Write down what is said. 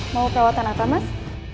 mau perawatan apa mas